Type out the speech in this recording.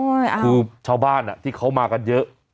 โอ้ยอ้าวคือชาวบ้านอ่ะที่เขามากันเยอะ